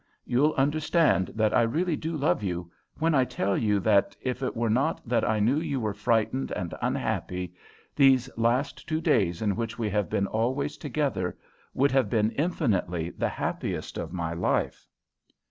You'll understand that I really do love you when I tell you that, if it were not that I knew you were frightened and unhappy, these last two days in which we have been always together would have been infinitely the happiest of my life."